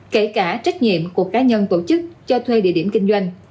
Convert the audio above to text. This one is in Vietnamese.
kể cả trách nhiệm của cá nhân tổ chức cho thuê địa điểm kinh doanh